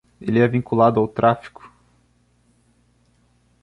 Ele é vinculado ao tráfico.